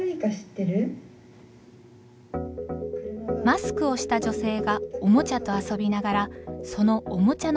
マスクをした女性がおもちゃと遊びながらそのおもちゃの名前を教えます。